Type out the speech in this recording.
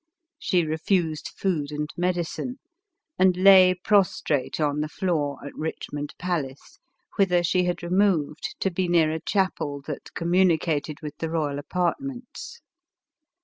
She re fused food and medicine, and lay prostrate on the floor ft Richmond palace, whither she had removed to be near a chapel that communicated with the royal apart ments.